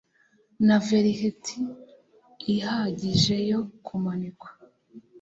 Na velheti ihagije yo kumanikwa